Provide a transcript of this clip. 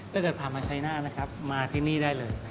ถ้าเกิดผ่านมาชัยหน้านะครับมาที่นี่ได้เลย